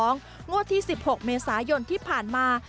งวดที่๑๖เมษายนที่ผ่านมา